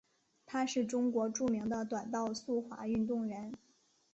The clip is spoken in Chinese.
她是中国著名的短道速滑运动员。